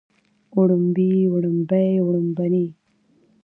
وړومبي وړومبۍ وړومبنۍ